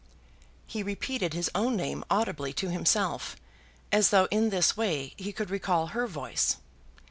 He repeated his own name audibly to himself, as though in this way he could recall her voice.